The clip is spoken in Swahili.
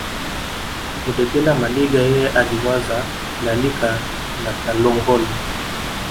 Mudegela Maliga yeye aliwazaa Lalika na Kalongole